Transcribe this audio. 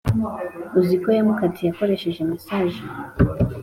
uziko yamukatiye akoresheje message